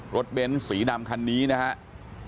เบ้นสีดำคันนี้นะครับ